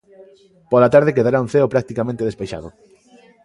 Pola tarde quedará un ceo practicamente despexado.